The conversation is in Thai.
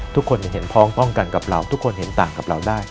ทุกคนเห็นพ้องต้องกันกับเราทุกคนเห็นต่างกับเราได้